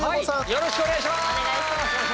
よろしくお願いします！